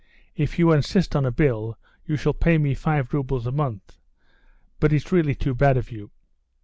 If you insist on a bill you shall pay me five roubles a month; but it's really too bad of you."